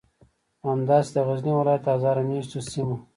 همداسې د غزنی ولایت د هزاره میشتو سیمو